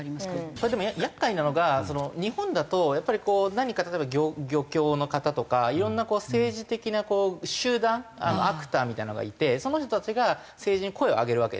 これでも厄介なのが日本だとやっぱりこう何か例えば漁協の方とかいろんな政治的な集団アクターみたいなのがいてその人たちが政治に声を上げるわけですね。